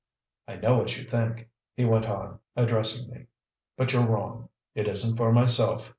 "I know what you think," he went on, addressing me, "but you're wrong. It isn't for myself.